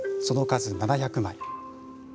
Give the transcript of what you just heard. その数、７００枚。